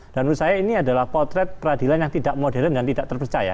dan menurut saya ini adalah potret peradilan yang tidak modern dan tidak terpercaya